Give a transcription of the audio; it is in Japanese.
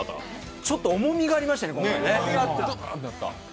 ちょっと重みがありましたね、今回。